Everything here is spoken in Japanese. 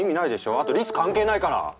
あとリス関係ないから。